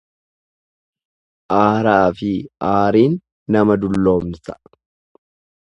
Aaraafi aariin nama dulloomsa.